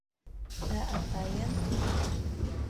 Ә атайым...